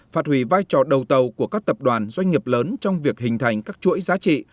phát hủy vai trò đầu tàu của các tập đoàn doanh nghiệp lớn trong việc hình thành các chuỗi giá trị